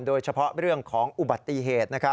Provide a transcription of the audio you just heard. โดยเฉพาะเรื่องของอุบัติเหตุ